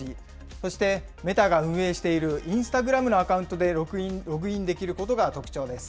そしてメタが運営しているインスタグラムのアカウントでログインできることが特徴です。